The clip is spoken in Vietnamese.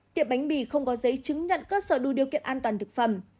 tiệm bánh mì không có giấy chứng nhận cơ sở đủ điều kiện an toàn thực phẩm